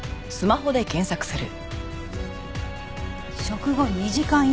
食後２時間以内。